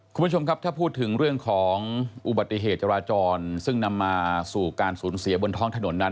คุณผู้ชมครับถ้าพูดถึงเรื่องของอุบัติเหตุจราจรซึ่งนำมาสู่การสูญเสียบนท้องถนนนั้น